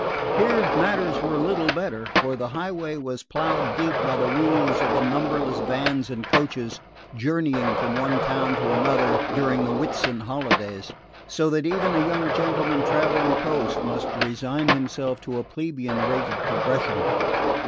Here matters were little better, for the highway was ploughed deep by the wheels of the numberless vans and coaches journeying from one town to another during the Whitsun holidays, so that even a young gentleman travelling post must resign himself to a plebeian rate of progression.